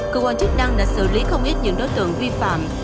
cơ quan chức năng đã xử lý không ít những đối tượng vi phạm